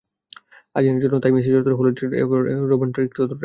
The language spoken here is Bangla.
আর্জেন্টিনার জন্য তাই মেসি যতটা, হল্যান্ডের জন্য এবার রোবেন ঠিক ততটাই।